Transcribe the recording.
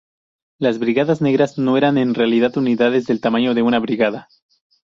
Las Brigadas Negras no eran en realidad unidades del tamaño de una brigada.